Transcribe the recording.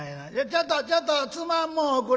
ちょっとちょっとつまむもんおくれ」。